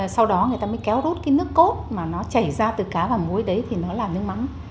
sau đó người ta mới kéo rút cái nước cốt mà nó chảy ra từ cá và muối đấy thì nó là nước mắm